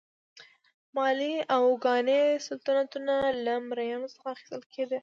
مالي او ګانا سلطنتونه له مریانو څخه کار اخیستل کېده.